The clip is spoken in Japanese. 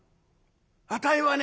あたいはね